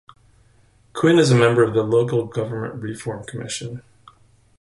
Quinn is a member of the Local Government Reform Commission.